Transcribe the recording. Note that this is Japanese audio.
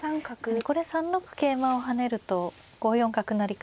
これ３六桂馬を跳ねると５四角成から。